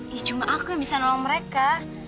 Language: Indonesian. ya cuma aku yang bisa nolong mereka